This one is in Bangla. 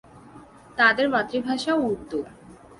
তাদের মাতৃভাষা উর্দু।